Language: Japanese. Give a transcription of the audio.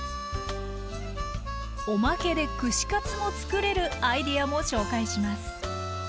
おまけで串カツもつくれるアイデアも紹介します。